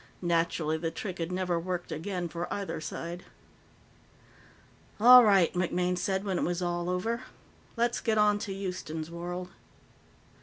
Naturally, the trick had never worked again for either side. "All right," MacMaine said when it was all over, "let's get on to Houston's World."